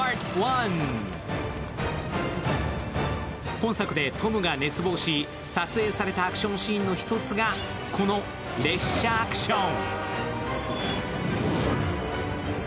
本作でトムが熱望し、撮影されたアクションの一つがこの列車アクション。